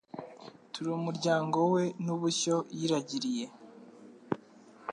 turi umuryango we n’ubushyo yiragiriye